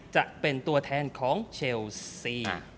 จะเป็นตัวแทนของเชลซี